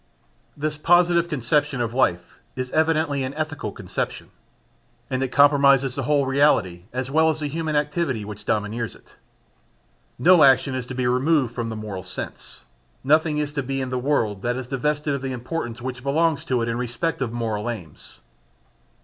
This positive conception of life is evidently an ethical conception. And it comprises the whole reality as well as the human activity which domineers it. No action is to be removed from the moral sense; nothing is to be in the world that is divested of the importance which belongs to it in respect of moral aims.